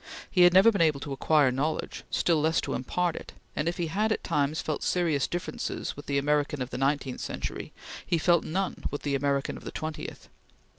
He had never been able to acquire knowledge, still less to impart it; and if he had, at times, felt serious differences with the American of the nineteenth century, he felt none with the American of the twentieth.